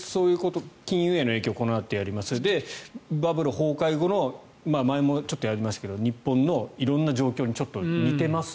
金融への影響をこのあとやりますがバブル崩壊後の前もちょっとやりましたが日本の色んな状況にちょっと似てます